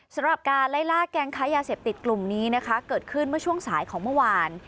สำหรับการไล่ล่าแก๊งค้ายาเสพติดกลุ่มนี้นะคะเกิดขึ้นเมื่อช่วงสายของเมื่อวาน